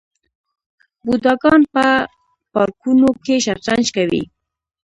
بوډاګان په پارکونو کې شطرنج کوي.